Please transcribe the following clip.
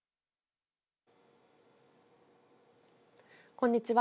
こんにちは。